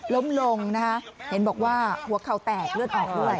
ล้มลงนะคะเห็นบอกว่าหัวเข่าแตกเลือดออกด้วย